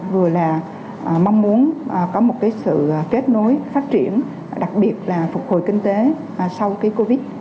vừa là mong muốn có một sự kết nối phát triển đặc biệt là phục hồi kinh tế sau cái covid